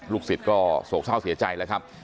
ลูกศิษย์ก็โสคเจ้าเสียใจแล้วครับ